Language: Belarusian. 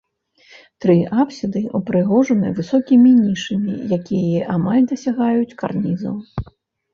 Тры апсіды ўпрыгожаны высокімі нішамі, якія амаль дасягаюць карнізаў.